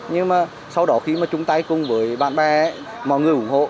nhưng mà sau đó khi mà chung tay cùng với bạn bè mọi người ủng hộ